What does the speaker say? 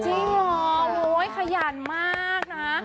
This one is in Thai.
จริงเหรอโอ๊ยขยันมากนะ